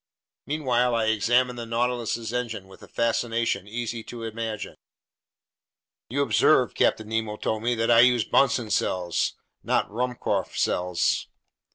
Meanwhile I examined the Nautilus's engine with a fascination easy to imagine. "You observe," Captain Nemo told me, "that I use Bunsen cells, not Ruhmkorff cells.